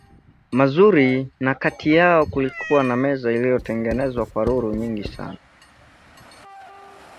mazuri na kati yao kulikuwa na meza iliyotengenezwa kwa lulu nyingi sana